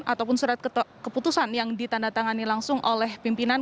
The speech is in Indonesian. ataupun surat keputusan yang ditandatangani langsung oleh pimpinan